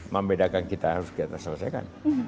membedakan kita harus kita selesaikan